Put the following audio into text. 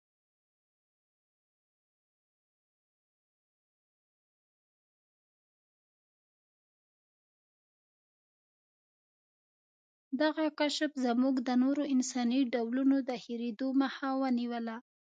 دغه کشف زموږ د نورو انساني ډولونو د هېرېدو مخه ونیوله.